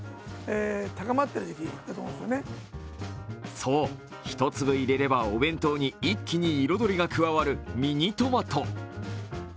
そう、１粒入れればお弁当に一気に彩りが加わるミニトマト。